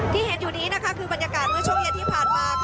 ที่เห็นอยู่นี้นะคะคือบรรยากาศเมื่อช่วงเย็นที่ผ่านมา